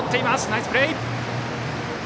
ナイスプレー！